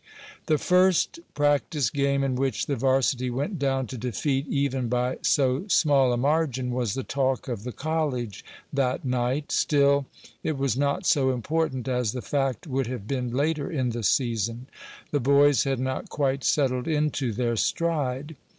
The first practice game, in which the varsity went down to defeat even by so small a margin, was the talk of the college that night. Still, it was not so important as the fact would have been later in the season. The boys had not quite settled into their stride.